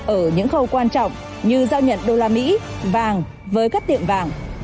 ở những khâu quan trọng như giao nhận đô la mỹ vàng với các tiệm vàng